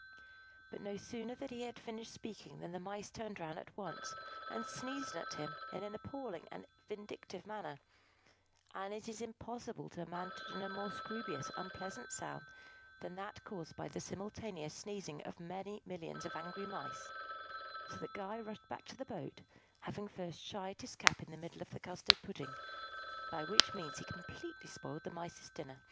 But no sooner had he finished speaking than the Mice turned round at once, and sneezed at him in an appalling and vindictive manner (and it is impossible to imagine a more scroobious and unpleasant sound than that caused by the simultaneous sneezing of many millions of angry Mice); so that Guy rushed back to the boat, having first shied his cap into the middle of the custard pudding, by which means he completely spoiled the Mice's dinner.